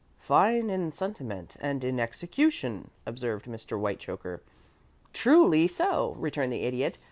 '" "Fine in sentiment and in execution!" observed Mr. Whitechoker. "Truly so," returned the Idiot.